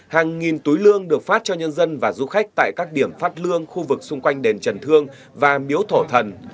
hàng nghìn túi lương được phát cho nhân dân và du khách tại các điểm phát lương khu vực xung quanh đền trần thương và miếu thổ thần